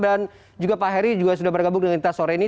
dan juga pak heri sudah bergabung dengan kita sore ini